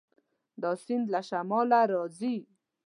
دا سیند له شماله راځي.